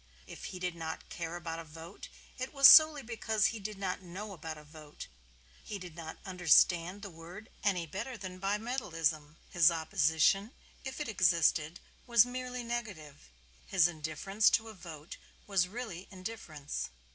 If he did not care about a vote it was solely because he did not know about a vote; he did not understand the word any better than Bimetallism. His opposition, if it existed, was merely negative. His indifference to a vote was really indifference.